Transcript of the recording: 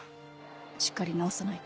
しっかり治さないと。